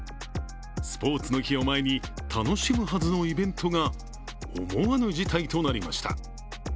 スポーツの日を前に楽しむはずのイベントが思わぬ事態となりました。